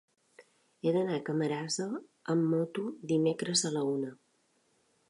He d'anar a Camarasa amb moto dimecres a la una.